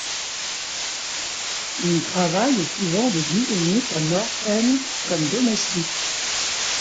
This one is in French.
Il travaille au couvent des Guillemites à Noordpeene comme domestique.